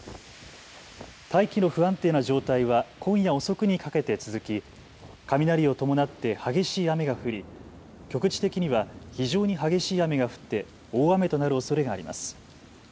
大気の不安定な状態は今夜遅くにかけて続き、雷を伴って激しい雨が降り局地的には非常に激しい雨が降って大雨となるおそれがあります。